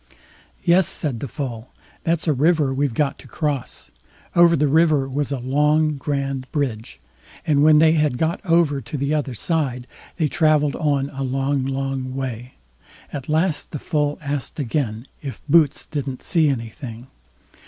"Yes", said the Foal, "that's a river we've got to cross." Over the river was a long, grand bridge; and when they had got over to the other side, they travelled on a long, long way. At last the Foal asked again: "If Boots didn't see anything?"